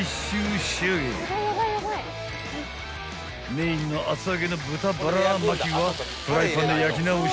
［メインの厚揚げの豚バラ巻きはフライパンで焼き直し］